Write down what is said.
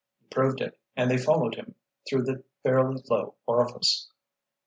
He proved it, and they followed him through the fairly low orifice.